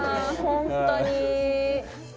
本当に。